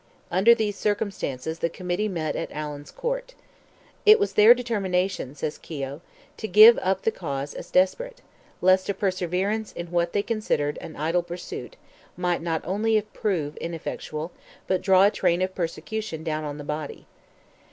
Under these circumstances, the Committee met at Allen's Court. "It was their determination," says Keogh, "to give up the cause as desperate, lest a perseverance in what they considered an idle pursuit might not only prove ineffectual, but draw down a train of persecution on the body."